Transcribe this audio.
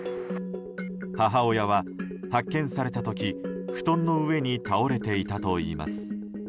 母親は発見された時、布団の上に倒れていたといいます。